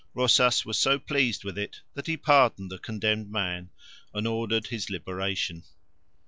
Rosas was so pleased with it that he pardoned the condemned man and ordered his liberation.